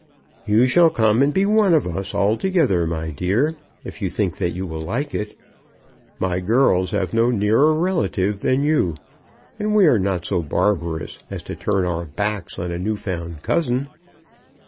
"You shall come and be one of us altogether, my dear, if you think that you will like it. My girls have no nearer relative than you. And we are not so barbarous as to turn our backs on a new found cousin."